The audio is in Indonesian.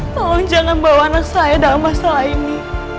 tolong jangan bawa anak saya dalam masalah ini